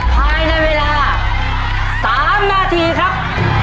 ภายในเวลา๓นาทีครับ